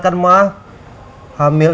kamu adalah mieli